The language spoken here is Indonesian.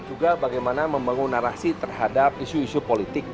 juga bagaimana membangun narasi terhadap isu isu politik